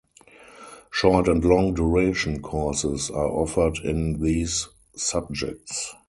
Short and long duration courses are offered in these subjects.